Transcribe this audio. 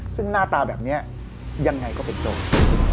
ซึ่งหน้าตาแบบนี้ยังไงก็เป็นโจร